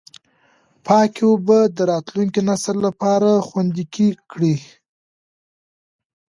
پاکې اوبه د راتلونکي نسل لپاره خوندي کړئ.